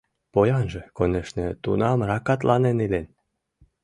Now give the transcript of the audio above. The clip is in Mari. Поянже, конешне, тунам ракатланен илен.